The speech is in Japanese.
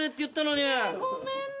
ごめんね。